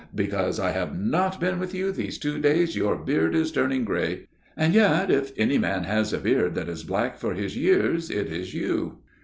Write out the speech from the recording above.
Because I have not been with you these two days, your beard is turned gray. And yet if any man has a beard that is black for his years, it is you."